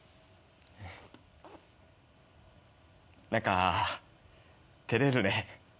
何か照れるね。